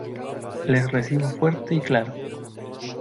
Les recibo fuerte y claro.